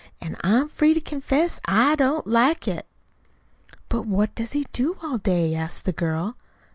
An' I'm free to confess I don't like it." "But what does he do all day?" asked the girl.